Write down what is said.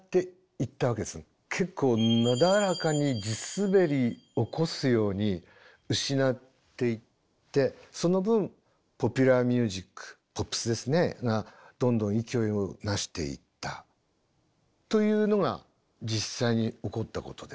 結構なだらかに地滑り起こすように失っていってその分ポピュラーミュージックポップスがどんどん勢いをなしていったというのが実際に起こったことです。